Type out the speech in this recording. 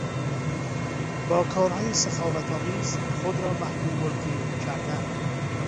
با کارهای سخاوت آمیز خود را محبوب القلوب کردن